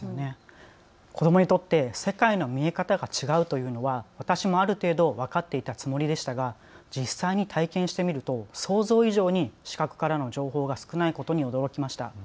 子どもにとって世界の見え方が違うというのは私もある程度、分かっていたつもりでしたが実際に体験してみると想像以上に視覚からの情報が少ないことに驚きました。